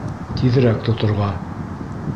— Тиҙерәк тоторға!